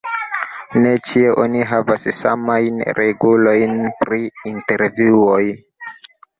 Ne ĉie oni havas samajn regulojn pri intervjuoj.